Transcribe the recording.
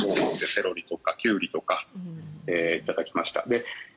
セロリとかキュウリとか頂きました。